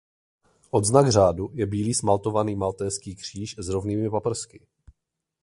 Odznak řádu je bílý smaltovaný Maltézský kříž s rovnými paprsky.